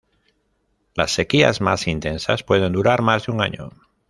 Las sequías más intensas pueden durar más de un año.